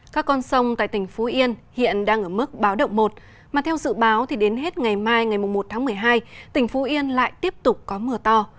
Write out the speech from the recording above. các con sông tại tỉnh phú yên hiện đang ở mức báo động một mà theo dự báo thì đến hết ngày mai ngày một tháng một mươi hai tỉnh phú yên lại tiếp tục có mưa to